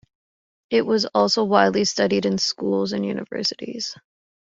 It is also widely studied in schools and universities.